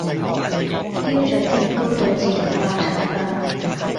標準的高度自動化產品